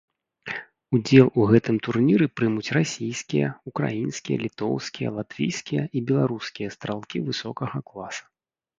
Удзел у гэтым турніры прымуць расійскія, украінскія, літоўскія, латвійскія і беларускія стралкі высокага класа.